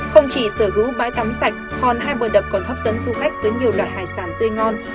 không chỉ sở hữu bãi tắm sạch hòn hai bờ đập còn hấp dẫn du khách với nhiều loại hải sản tươi ngon